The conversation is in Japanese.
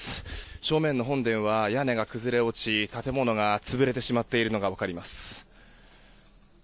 正面の本殿は屋根が崩れ落ち建物が潰れてしまっているのが分かります。